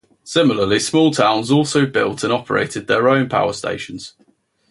Similarly, small towns also built and operated their own power stations.